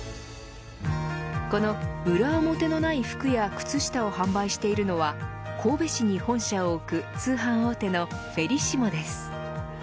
この裏表のない服や靴下を販売しているのは神戸市に本社を置く通販大手のフェリシモです。